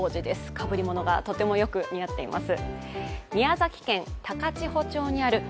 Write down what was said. かぶりものがとてもよく似合っています。